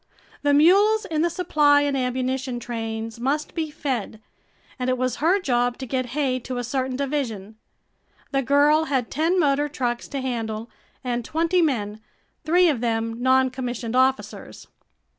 The mules in the supply and ammunition trains must be fed and it was her job to get hay to a certain division. The girl had ten motor trucks to handle and twenty men, three of them noncommissioned officers.